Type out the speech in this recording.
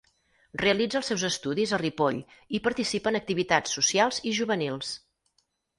Realitza els seus estudis a Ripoll i participa en activitats socials i juvenils.